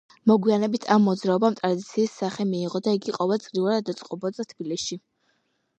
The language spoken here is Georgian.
მოგვიანებით ამ მოძრაობამ ტრადიციის სახე მიიღო და იგი ყოველ წლიურად ეწყობოდა თბილისში.